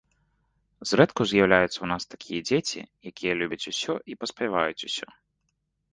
Зрэдку з'яўляюцца ў нас такія дзеці, якія любяць усё і паспяваюць усё!